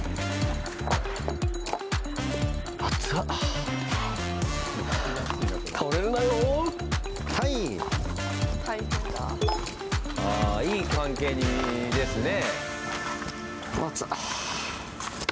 あ、いい関係ですね。